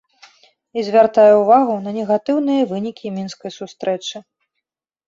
І звяртае ўвагу на негатыўныя вынікі мінскай сустрэчы.